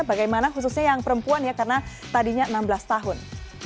bagaimana khususnya yang perempuan ya karena tadinya enam belas tahun